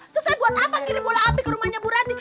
terus saya buat apa kirim bola api ke rumahnya bu rati